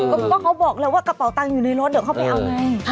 ก็เขาบอกแล้วว่ากระเป๋าตังค์อยู่ในรถเดี๋ยวเขาไปเอาไง